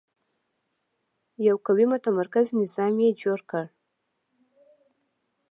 یو قوي متمرکز نظام یې جوړ کړ.